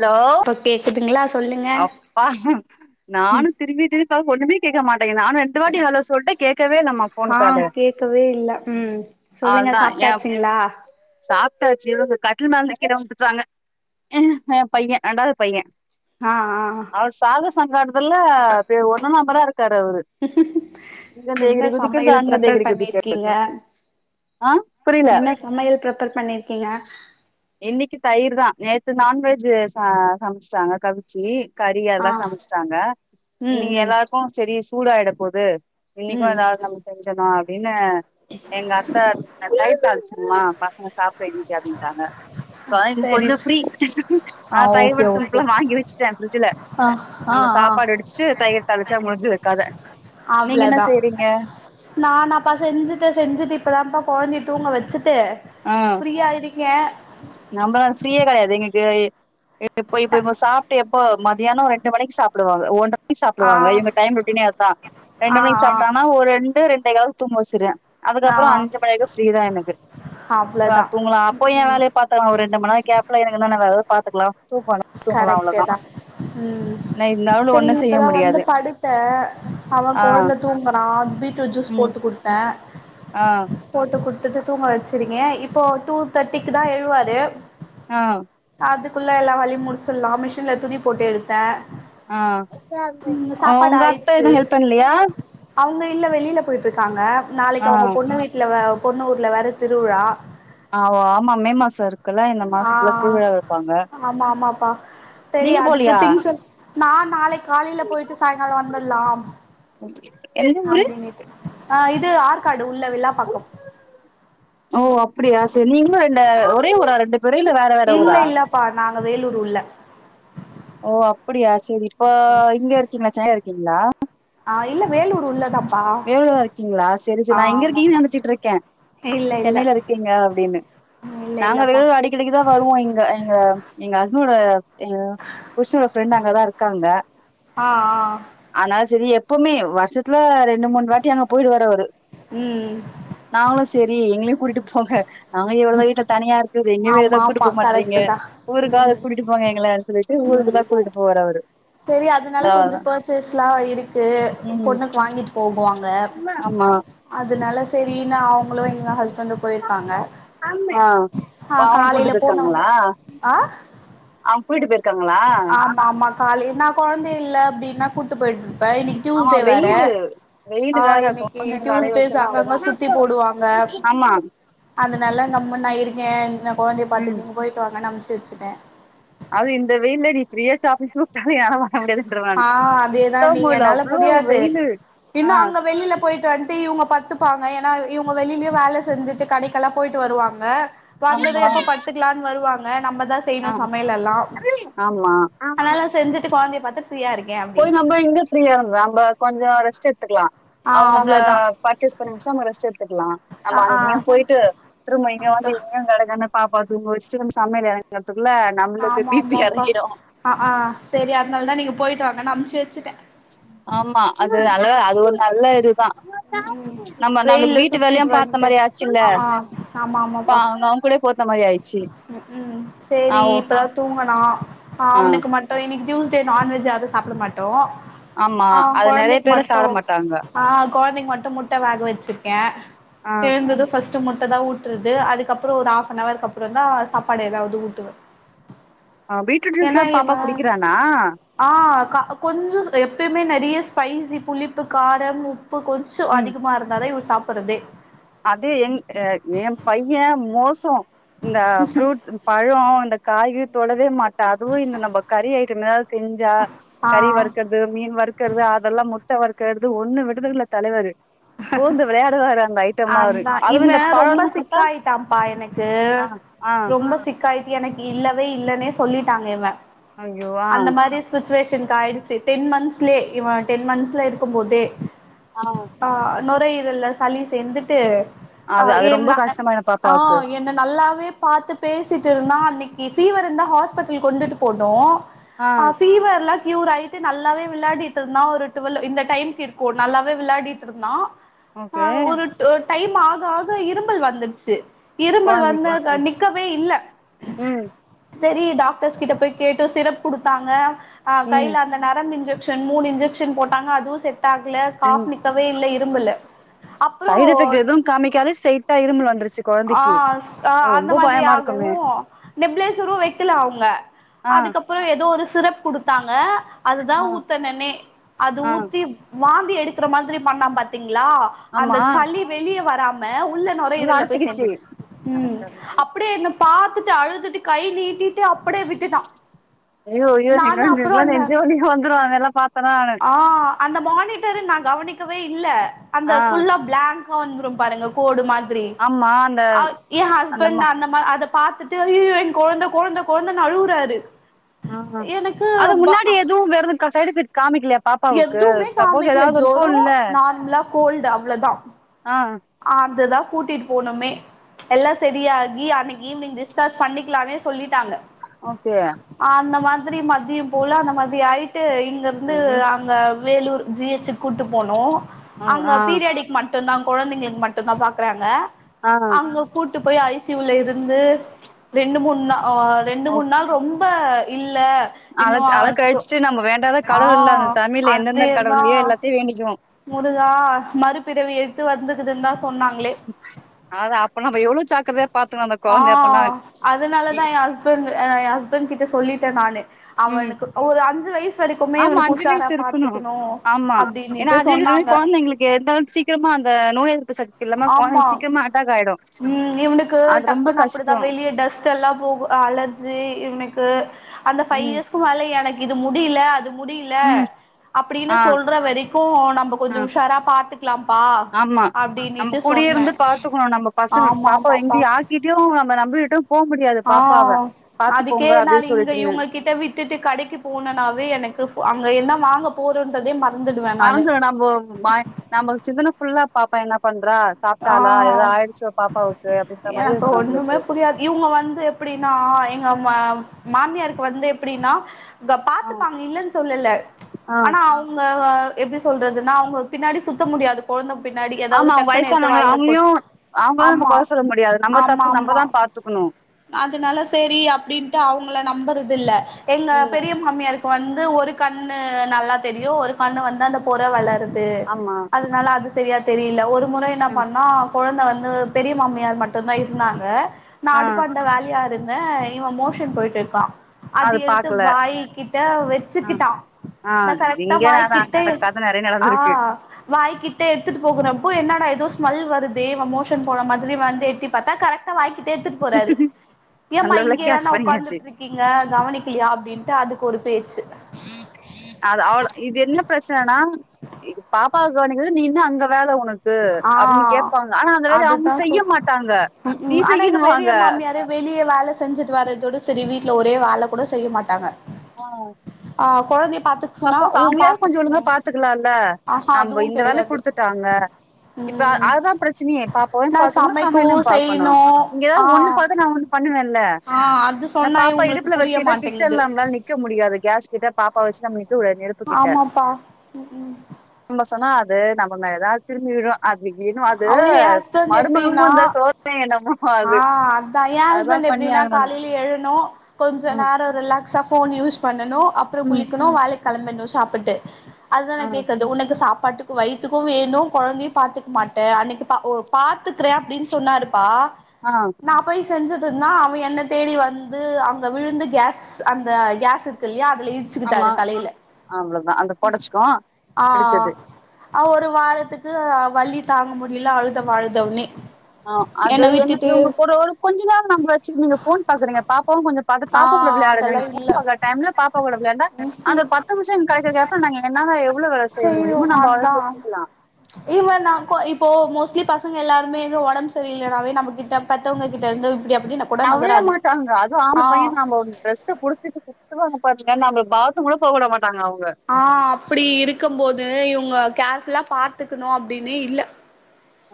hello இப்ப கேக்குதுங்களா சொல்லுங்க அப்பா ம் நானும் திரும்பி திருக்கா கேக்கமாட் நானும் எட்டு வாட்டி ஹலோ சொல்லிடே கேக்கவே இல்லாம போன் ஆ கால் கேக்கவே இல்ல ம் சொல்லுங்க அதான் என் சாப்ட்டாச்சுங்களா சாக் காச்சு இவங்க கட்டில் மேல கீரை வந்துட்டாங்க ஆஹ பையன் ரெண்டாவது பையன் ஆஹ் ஆஹ் சங்கட்டத்துல ஒண்ணு நம்பரா இருக்கு என்ன தேகிரி குதிக்கிறது சமையல் அங்க பிரிப்பர் தேகிரி குதிக்கிறது பண்ணிருக்கீங்க ஆ புரியல என்ன சமையல் பிரிப்பர் பண்ணிருக்கீங்க இன்னைக்கு தயிர் தான் நேற்று நான்வெஜ் சமைசசிட்டாங்க கவிச்சி கறி எல்லா ஆ சமச்சிட்டாங்க ம் இன்னைங்க ம் எல்லாருக்கும் சரி சூடாயிட போகுது இன்னக்கும் ம் ஏதாவது நம்ம செஞ்சதோ என்ன எங்க அத்த அத்தை லை ஆமா பசங்க சாப் பிரேமிக்காப்ப தானங்க அத இக்கு சரி கொஞ்சம் ஃப்ரீ ஆ ஆஹ் ஓகே தயிரடு ஓகே சிம்பிளா வாங்கி வச்சுட்டேன் பிஃரிிட்ஜ்ல ஆ ஆ நம்ம ஆ சாப்பாடு வடிச்சிட்டு தயிர தலிச்ச போதும் முடிஞ்சுதுக்காதது அவ்ளதான் நானான்ப்ப செஞ்சுட்டு செஞ்சுட்டு இப்பதான்ப்ப குழ்சி தூங்க வச்சி ஃப்ரீயாருக்கேன் நம்மதான் ஃப்ரீயே கெடையாது எங்களுக்கு இப்ப இவங்க சாப்ட்டு இப்ப மதியானம் ரெண்டு மணிக்கு சாப்படுவாங்க ஒன்ற ஆ சாப்பிடுவாங்க டைம் ரொட்டின்நே அதுதான் ஆ ரெண்டு மணிக்கு சாப்ப ஒரு ரெண்டு ரெண்டு தூங்க வச்சிருவேன் ஆ ஆ அதுக்கப்புறம் அஞ்சு மணிக்கு ஃப்ரீதான் எனக்கு அவ்ளதா தூங்களாம் அப்போ என் ம் வேலய ஒரு ரெண்டு மணிநேர கேப்ல எனக்கு பாத்துக்கலாம் கரெக்டே தான் உம் நா இருந்தாலு சரி ஒண்ணு செய்ய இப்பதான் வந்து முடியாது படுத்தேன் அவன் ஆ குழந்த தூங்குறான் பீட்ரூட் ஜூஸ் ம் போட்டு குடுத்தேன் ஆ போட்டு கொ தூங்க வச்சிருக்கே இப்போ டூ தேர்ட்டிக்கு தான் எழுவாரு ஆஹ் அதுக்குள்ள எல்லாம் வலியும் முடிசுரெல்லாம் மிஷின்ல துணி போட்டு எடுத்து ஆஹ் சாப்பாடு உங்க அத்த ஆயிடுச்சு எதுவும் ஹெல்ப் பண்ணலையா அவங்க இல்ல வெளில போயிட்ருக்காங்க நாளைக்கு ஆ அவங்க பொண்ணு வீட்ல வ பொன்னூஊர்ல வேற திருவிழா ஆ ஆமா மே மாசோ இருக் ஆஹ் ஆமா ஆமாப்பா சரி நீங்க அதுக்கு போலியா திங்ஸ் நான் நாளை காலையில போயிட்டு சாயங்காலம் வந்த பலாம் எந்த ஊரு ஆ இது ஆற்காடு உள்ள வில்லாப்பாக்கம் ஓ அப்டியா செரி நீங்களு இந்த ஒரே ஊரா ரெண்டு புரியில வேற வேற ஊரா அ வேலூர் உள்ள ஓ அப்படியா சரி செரி இப்ப இங்க இருக்கீங்க [unintelligible] இருக்கீங்களா ஆ இலை வேலூர் உள்ள தான் வேலூர் இருக்கீங்களா சரி சரி நான் இங்க ஆமாமா இருக்கீங்கன்னு நினைச்சிட்டு இருக்கேன் இல்ல இல்ல சென்னையில இருக்கீங்க அப்படின்னு இல்ல நாங்க இல்லப்பா வேலூர் அடிக்கடிக்குதான் வருவோம் இங்க எங்க எங்க அஹனோட புஷோட ஃப்ரெண்ட் அங்கதான் இருக்காங்க ஆ ஆ ஆனால சரி இப்பமே வருஷத்துல ரெண் ரெண்டு மூணு வாட்டி அங்க போயிடுவாரு அவரு ம் நாங்களு செரி எங்களையு கூட்டிட்டு போங்க நாங்க எவ்வளவுோ வீட்ட தனியா இருக்குது எங்கயே ஏதது ஆமா கூப்பட்டு ஆமா போ மாறீங்க கரெக்ட்டு தா ம் ஊருக்காவ ம் கூகிட்டு போங்க எங்களன்னு சொல்லிட்டு ம் ஊருக்கு தான் கூட்டிட்டு போவாரு அவரு சரி அதனால கொஞ்சம் பர்ச்சேஸ் எல்லாம் இருக்கு பொண்ணுக்கு வாங்கிட்டு போகவாங்க ஆ ஆமா அதனால சரி நா அவ ங்களு எங்க ஹஸ்பண்டும் போயிருக்காங்க ஆ ஓ ஆ அவன கூட்டு காலைல போனவுங்க ஆ அவ போய்ட்ட பெறகு ஆமா ஆமா கால நா கொழந்தை இல்ல அப்டின்னா கூட்டு போயிட் இன்னைக்கு டூஸ் ஆமா டே வேர வெயிலு வெயிலு ஆஹ் வேற இன்னைக்கு கொழந்தைங்கள அலைய வச்சோன்னா அவ்ளோதா அங்கங்க சுத்தி போடுவாங்க ஆமா அதனாலங்க முன்னயக்கே குழந்தைய ம் பாத்து போய த்து வச்சுட்டே அது இந்த வெயில்ல நீ ஃப்ரீயா ஷாப்பிங் கூட [unintelligible] ஆஹ் அதேதான் நீங்க என்னால அவ்ளோ முடியாது வெயிலு ஆ இன்னும் அங்க வெளியில போயிட்டு [unintelligible] இவங்க பத்துப்பாங்க ஏன்னா இவங்க வெளியிலயே வேலை செஞ்சுட்டு கடைக்கெல்லாம் போயிட்டு வருவாங்க வந்தது ஆமா எப்ப படுத்துக்கலான்னு வருவாங் நம்ம நா ஆ செய்யணும் சமையல எல்லாம் ஆமா ஆனாலாம் செஞ்சுட்டு குழந்த வடக்கு போய் நம்ம எங்க ஃப்ரீயா இருந்தோம் நம்ம கொஞ்சோம் ரெஸ்ட் எடுத்க்கலாம் ஆ அவங்க அங்க அவ்ளோதா பர்ச்செஸ் பண்ணி முச்சுட்டு அவுங்க ரெஸ்ட் ஆ ஆமா ஆ எங்கயே போயிட்டு திரும்ப இங்க வந்து அக்கா இங்க கடக்கனு பாப்பாவ தூங்க வச்சுட்டு நம்ம சமையல் வேல பாக்கனு ஆமா ஆமாப்பா ஆஹா சரி அதனால தான் நீங்க போயிட்டு வாங்கனு அனுப்சே வச்சுடேன் ஆமா அது நல்ல அது ஒரு நல்ல இ ம் நம்ம நம்மளுக்கு வெயில்ல வீட்டு சுத்திட்டு வேலையும் பாத்த வன்ட்டு மாரிய ஆச்சுல்ல ஆ அவுங்க அவுங்க கூட போ ஹ்ம் ஆ சரி ஓ இப்பதான் தூங்கனா ஆ அவனுக்கு மட்டும் இன்னைக்கு ஜுஸ் எடுத்து நான்வெஜ் அது சாப்ட மாட்டோம் ஆமா ஆ அது நெறைய கொழந்தைக்கு பேர்லா சாப்ட மட்டும் மாட்டாங்க ஆ கொழந்தைக்கு மட்டும் முட்ட வேக வச்சிருக்கேன் ஆ எழுந்ததும் ஃபர்ஸ்ட் முட்ட தான் ஊட்டுறது அதுக்கப்புறோம் ஒரு ஆப் ஒண் அவர்க்கு அப்பறம் தான் சாப்பாடு ஏதாவது ஊட்டுவன் ஆ பீட்ரூட் ஜூஸ்லாம் பாப்பா குடிக்கிறானா கொஞ்சோம் எப்பயுமே நெறைய ஸ்பைசி புளிப்பு காரம் உப்பு கொஞ்சம் ம் அதிகமா இருந்தாலே சாப்பறதே அது என் ஏன் பையன் மோச சோ இந்த ஃப்ரூட் பழோம் இந்த காய்கறி தொடவே மாட்டா அதுவும் இந்த நம்ம கறி ஐட்டம் ஏதாவது செஞ்சா ஆ கறி வறுக்கறது மீன் வறுக்கறது அதெல்லாம் முட்ட முட்ட வறுக்குறது ஒண்ணும் விட்ரதுல்ல தலைவரு பூந்து விளையாடுவாரு அந்த ஆய்த் அதான் இவன் ரொம்ப சிக்காயிட்டான்ப்பா எனக்கு ஆ ஆ ரொம்ப சிக் அக்கா இது எனக்கு இல்லவே இல்லன்னே சொல்லிட்டாங்க இவன் ஐயோ ஆ அந்த மாரி சுச்சுவேஷன் எனக்கு ஆ‌யிடுச்சு டென் மந்த்ஸ்லே இவன் டென் மந்த்ஸ்ல இருக்கும் போதே ஆ ஆ நோரயிரல்ல சளி சேந்துட்டு ஆ அது அது என் ரொம்ப கஷ்டமாயிடு ஆ பாப்பாவுக்கு என்ன நல்லாவே பாத்து பேசிட்டு இருந்தான் அன்னக்கி ஃபீவருந்தா ஹாஸ்பிட்டல் கொண்டுட்டு போனோம் ஆ ஃபீவர்ல்லாம் கியூர் ஆயிற்று நல்லாவே விளையாடிடு இருந்தான் ஒரு டுவேல் இந்த டைம்க்கு இருக்கும் நல்லாவே விளையாடிட்டு இரு மா ஓகே ஆஹ் ஒரு டேப் டைம் ஆக ஆக இரும்பல் வந்துடுச்சு இரும்பல் கொழந்தைக்கு வந்தா நிக்கவே இல்ல ம் சரி டாக்டர்ஸ் கிட்ட போய் கேட்டோம் சிரப் குடுப்பாங்க ஆஹ் கையில ம் அந்த நரம்பு இன்ஜெக்ஷன் ரெண் மூணு இன்ஜெக்ஷன் போட்டாங்க அதுவும் செட் ஆகல ம் காஸ் நிக்க இல்ல இருமலு அப்புறோ சைட் எஃபெக்ட் எதுவும் காமிக்காலே ஸ்ட்ரெயிட்டா இருமல் வந்துருச்சு கொழந்தைக்கு ஆஹ் ஓ அஹ் அந்த ரொம்ப மாதிரி பயமா இருக்குமே ஆகும் நிப்ளேஸ்ஸரும் வைக்கல அவங்க ஆ அதுக்கப்புறம் ஏதோ ஒரு சிரப் குடுத்தாங்க அதுதான் ஆ ஊத்தனன்னே அது ஆ ஊத்தி வாந் எடுக்கிற மாதிரி நாதன் பாத்தே கீங்களா அந்த ஆமா சளி வெளியே வராம அவ உள்ள நுரையிரல போய் சேர்த்திருச்சு அட கடவுளே அப்படியே என்ன பாத்துட்டு அழுதுட்டு கை நீட்டிட்டு அப்படியே விட்டுட்டான் ஐயோ யோ எங்கலுக்கு நெஞ்சு வலியே வந்துரும் அதெல்லாம் பார்த்தனா இருக்கவே இல்ல அந்த ஃபுல்லா பிளாங்க் வந்துரும் பாருங்க கோடு மாதிரி திரி ஆமா அந்த என் ஹஸ்பான்ட் அந்த மா அத பாத்துட்டு ஐயோ என் குழந்த குழந்த குழந்த அழுவுறாரு ஆஹ் எனக்கு அது ப முன்னாடி எதுவும் வேறும் சைட் எஃபெக்ட் காமிக்கலையா பாப்பாவுக்கு எதுவுமே சப்போஸ் காமிக்கல ஏதாவது ஜொரோ இருக்கும்ல இல்ல நார்மலா கோல்டு அவ்வளவுதான் ஆ அதுதான் கூட்டிட்டு போநோமே எல்லாம் சரியாகி அன்னைக்கு ஈவனிங் டிஸ்டார்ஜ் பண்ணிக்கலானே சொல்லிட்டு ங்க ஓகே அந்த மாதிரி மதியம் போல அந்த மாதிரி ஆகி ட்டு இங்கிருந்து ஐயோ அங்க வேலூர் ஜிஎச் கூட்டுப் போனோம் ஆ அங்க ஆ பீரியாடிக் மட் மட்டும்தான் குழந்தைங்களுக்கு மட்டும்தான் பாக்குறாங்க ஆ அங்க கூட்டு போய் ஐசியுலயிருந்து ரெ மூண்ணா அஹ ரெண்டு மூணு நாள் ரொம்ப இல்ல இன்னு அழச் அழ அவன் தொ கழிச்சிட்டு நம்ம வேண்டாத ஆ கடவுள் இல்ல அந்த தமிழ்ல எந்தெந்த கடவுள் அதேதா லையோ எல்லாத்தையு வேண்டிக்குவோம் முருகா மறுபிறவி எடுத்து வந்துந்தது இருந்தா சொ சொன்னாங்களே அத அப்ப நம்ம எவ்ளோ ஜாக்கிரதையா பாத்துக்கணு அந்த கொழந்தைய அப்பனா ஆஹ் இ அதனாலதான் என் ஹஸ்பண்ட் என் ஹஸ்பண்ட் கிட்ட சொல்லிட்டு க்க நானே ம் அவனுக்கு ஒரு அஞ்சு வயசு வரைக்குமே ஆமா அவனுக்கு அஞ்சு உஷாரா பாாரத்துக்கணும் அப்படின்னு அதுரு கேழந்தைங்கழுக்கு எந்த சீக்காரம அந்த நோய் எதிர்புசக்தி ஆமா உம் இவனுக்கு அது ரொம்ப டக்குன்னு கஷ்டோ அப்படிதான் வெளியே டஸ்ட் எல்லாம் போகும் அலர்ஜி இவனுக்க ப்பா அந்த பைவ் ம் இயர்ஸ்க்கு மேல எனக்கு இது முடியல அது முடியல ம் அப்படின்னு ஆ சொல்ற வரைக் போன் நம்ம ஆ கொஞ்சம் உஷாரா பாத்துக்கலாம்ப்பா அப்படிஇல்லா குடியிருந்து பாத்துக்கணும் நம்ம பசங்க பாப்பாவை எங்க ஆமாப்பா யாக்கிட்டும் நம்ம நம்பகிட்டும் போக முடியாது ஆ பாப்பாவ அதுக்கே பாத்துக்கோங்க நான் அப்படின்னு இங்க சொல்லிட்டுன்னு இவங்க கிட்ட விட்டுட்டு கடைக்கு போனனாவே எனக்கு அங்க என்ன வாங்க போறன்றதே மர் மறந்து நம்பே வாய் நம்ம சிதன புல்லாப் பாப்பா என்ன பண் ஆஹ் பாப்பாவுக்கு அப்டின்ற மாரி எனக்கு இருக்கு ஒண்ணுமே நம்பளுக்கு புரியாது இவங்க வந்து எப்படின்னா எங்க ம்மா மாமியாருக்கு வந்து எப்படின்னா ஆ பாத்துப்பாங்க இல்லன்னு சொல்லல ஆ ஆனா அவங்க எப்படி சொல்றதுன்னா அவங்களுக்கு பின்னாடி சுத்த முடியாது குழந்தை பின்னாடி ஏதாவது தட் இப்பா அவங்களையும் அவங்களும் நம்ம குறை சொல்ல முடியாது நம்ப ஆமா தப்பு ஆமா நம்பதான் பார்த்துக்கணும் அதனால சரி அப்படின்ட்டு அவங்கள நம்பறது இல்ல எங்க ம் பெரிய மாமியாரு இக் இப்போ வந்து ஒரு கண்ணு நல்லா தெரியும் ஒரு கண்ணு வந்து அந்த பொற வளருத் த்து ஆமா அதனால அது செ சரியா தெரியல ஒரு முறை என்ன ம் பண்ணா குழந்தை வந்து இந்த பெரிய மாமியார் மட்டும்தான் இருந்தாங்க ஆ நாட்டு க்காந்தா வேலையா இருங்க இவே மோஷன் போயிட்டு இருக்கான் அது எடுத்து வாய்கிட்ட ஆ வச்சுக்கிட்டான் ஆ நான் இது கரெக்டா இங்க நா வாய்கிட்ட அந்த கத நெறைய நடந்திருக்கு ஆஹ் வாய்கிட்ட எடுத்துட்டு போகறப்போ என்னட ஏதோ ஸ் ஸ்மெல் வருதே இவன் மோஷன் போன மாதிரி வந்து எட்டி பாத்தா கரெக்டா வாயிகிட்டயே போறாரு ஏம்மா நல்ல வேல இங்கதான கேட்ச் பண்ணியாச்சு உக்காந்துட்ருக்கீங்க கவனிக்கலயா அப்டின்ட்டு அதுக்கு ஒரு பேச்சு அ அவ்ள இது என்ன பிரச்சனனா இது பாப்பாவ கவனிக்கறது நீ என்ன அங்க வேல உனக் ஆஹ் அதுதான் சொ செய்ய மாட்டாங்க உம் நீ உம் ஆனா எங்க செய்யணுவாங்க பெரிய மாமியாரு வெளியே வேலை செஞ்சுட்டு வர்ரதோட சரி வீட் ட்ல ஒரே வேல கூட செய்ய மாட்டாங்க ஆஹ் ஆ கெழந்தைங் சப்போஸ் அவங்களாவது கொஞ்சம் ஒழுங்கா பாத்துக்கலாம்ல்ல ஆஹா நம்ம அதுவு இந்த வேலை கெடையாது குடுத்துட்டாங்க இப்ப ம் அதுதா பிரச்சனையே பாத்துக்கணும் நா பாத்துக்கணும் சமைக்கவு சமையலும் பாக்கணும் செய்யணு இங்க ஆ ஒண்ணு பாத்த நான்ஒண்ணு பண்ணுவேன்ல இல்ல ஆ அது நான் சொன்னா பாப்பா இவுங்களுக்கு இடுப்புல புரிய வச்சுகிட்ட மாட்டேங்குது கிச்சன்ல நம்ளால நிக்க முடியாது கேஸ் கிட்ட பாப் பவுச்சில ஆமாப்பா உ உம் ஹ அது நம்ம மேலதான் திரும்பி விழும் அத திடீர்னு அது அவரு எ மருமகளுக்கு வந்த சோதனையோ என்னவோ ஆஹ் அதான் என் ஹஸ்பண்ட் எப்டின்னா ஆகணுனு காலையில எழுனும் கொஞ்சம் ம் நேரம் ரிலாக்ஸ் ச ஃபோன் யூஸ் பண் டனு அப்றோ ம் குளிக்கணு வேலைக் ளம்பிருணும் சாப்பிட்டு அதுதான் ஆ நா கேக்குறது உனக்கு சாப் பாட்டுக்கு வயித்துக்கு வேணும் கொழந்தையு பாத்துக்க மாட்டே அன்னைக்கு பாத்துக் ஓ பாத்துக்கறே அப்டின்னு சொன்னாருப்பா ஹா செஞ்சுட்டு இருந்தே அவ என்னை தேடி வந்து அங்க விழுந்து கேஸ் அந்த கேஸ் இருக்கில்லயா ஆமா அவ்ளோதா அது பொடைச்சுக்கு ஆ இடிச்சது ஆ ஒரு வாரத்துக்கு வலி தாங்க முடியல அழுத அழுதன்னே ஆஹ் அது என்ன இவங்க கூட ஒரு கொஞ்ச நேரோ நம்ம வச்சுக்கணுங்க ஃபோன் பாக்குறீங்க பாப்பாவயு கொஞ்ச பாத்து ஆ பாப்பாவோட விளையாடுங்க அதெல்லா ஃபோன் இல்ல பாக்குற டைம்ல பாப்பா கூட விளையாண்டா அந்த பத்து நிமிஷம் எங்களுக்கு கெடைக்கற கேப்ல நாங்க என்னால எவ்வளவு வேல செய்ய செய்யு முடியமோ நம்ம வேல செஞ்சுக்கலா இப்போ இப்போ மோஸ்ட்லி பசங்க எல்லாருமே இங்க உடம்பு சரியில்லனாவே நம்ம கிட்ட பத்தவங்க கிட்ட வந்து இப்டிலாம் அப் அவவுலா மாட்டாங்க அதுவும் ஆம்பள பையன் நாம ட்ரெஸ்ஸ புடுச்சத்துட்டு ங்க பாத்தீங்கா நம்ம பா போவுடமாட்டாங்க ஆ அப்டி இருக்கும் போது இவங்க கேர்ஃபுல்லா பாத்துக்கணும் அப்டினே இல்ல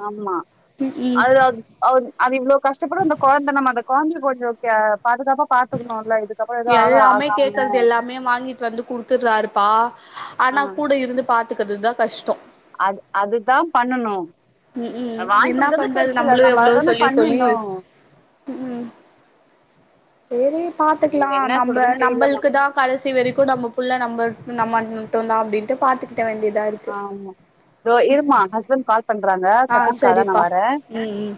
ஆமா ம் ம் அது அது இவ்வளவு கஷ்டப்படும் அந்த கெழந்த ந அத கௌந்து கொக்யா எல்லாமே ஆகாம கேக்குறது எல்லாமே வாங்கிட்டு வந்து குடுத்துடுறாருப்பா ஆ ஆனா கூட இருந்து பார்த்து பார்த்துக்குறதுதான் கஷ்டம் அது அதுதான் பண்ணணும் உம் உம் என்ன பண்றது நம்மளும் நம்ம எவ்வளவு அததான சொல்லி சொல்லி பண்ணணு உம் உம் சேரி பாத்துக்கலாம் என்ன நம்ம சொல்றதுன்னு தெரியலமா நம்மளுக்கு தான் கடைசி வரைக்கும் நம்ம புள்ள நம்ம நம்ம மட்டும்தான் அப்டின்னு பாத்து ஆமா தொ இருமா ஹ்பண்ட் கா பண்றாங்க ஆ செகண்ட் கால நான சரிப்பா வரேன் ம் ம்